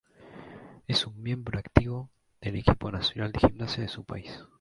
Es un miembro activo del equipo nacional de gimnasia de su país.